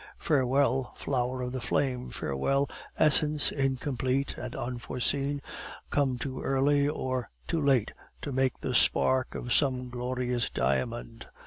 Farewell, flower of the flame! Farewell, essence incomplete and unforeseen, come too early or too late to make the spark of some glorious diamond."